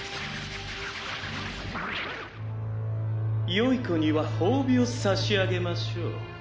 「良い子には褒美を差し上げましょう」